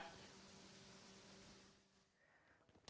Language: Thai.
สวัสดีครับ